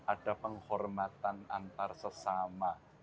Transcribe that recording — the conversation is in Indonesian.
ada penghormatan antar sesama